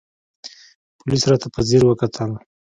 پوليس راته په ځير وکتل.